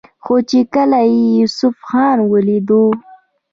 خو چې کله يې يوسف خان وليدو